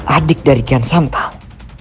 adik dari kian santang